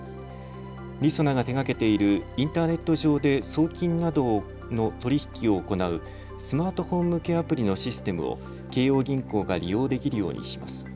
りそなが手がけているインターネット上で送金などの取り引きを行うスマートフォン向けアプリのシステムを京葉銀行が利用できるようにします。